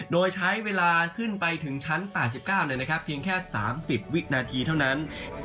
โดยใช้เวลาขึ้นไปถึงชั้น๘๙เพียงแค่๓๐วินาทีเท่านั้น